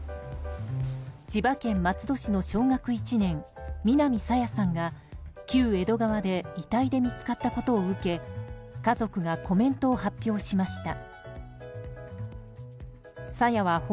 千葉県松戸市の小学１年南朝芽さんが旧江戸川で遺体で見つかったことを受け家族がコメントを発表しました。